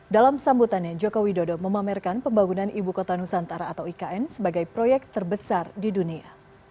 dalam sambutannya joko widodo memamerkan pembangunan ibu kota nusantara atau ikn sebagai proyek terbesar di dunia